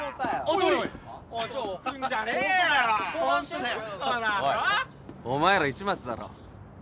おいお前ら市松だろ？